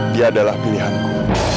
dia adalah pilihanku